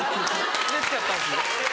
うれしかったんですね